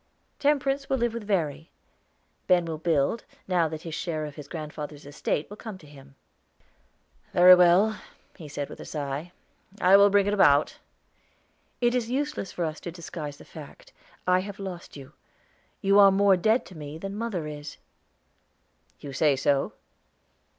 Temperance will live with Verry; Ben will build, now that his share of his grandfather's estate will come to him." "Very well," he said with a sigh, "I will bring it about." "It is useless for us to disguise the fact I have lost you. You are more dead to me than mother is." "You say so."